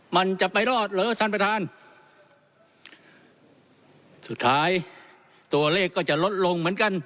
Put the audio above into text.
มันจะไปรอดเหรอท่านประธานสุดท้ายตัวเลขก็จะลดลงเหมือนกัน